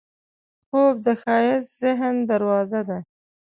خوب د ښایسته ذهن دروازه ده